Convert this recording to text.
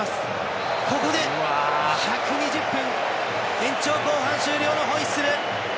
ここで１２０分延長後半終了のホイッスル。